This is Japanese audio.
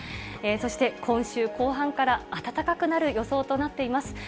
そして今週後半から暖かくなる予想となっています。